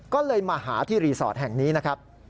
ก็เลยมาหาที่รีสอร์ทแห่งนี้นะครับ